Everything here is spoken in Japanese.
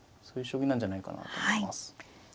そういう将棋なんじゃないかなと思います。